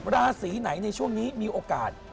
ราศีไหนในช่วงนี้มีโอกาส